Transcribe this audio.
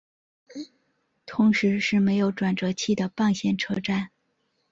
同时是没有转辙器的棒线车站。